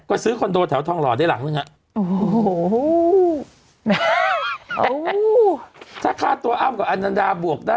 ก็ซื้อคอนโดแถวทองหล่อได้หลังนึงอ่ะโอ้โหแม่ถ้าค่าตัวอ้ำกับอันนันดาบวกได้